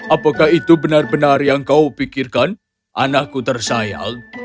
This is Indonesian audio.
apakah itu benar benar yang kau pikirkan anakku tersayang